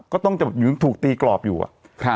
ก็ต้องจะแบบถูกตีกรอบอยู่อะ